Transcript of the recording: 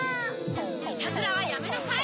いたずらはやめなさい！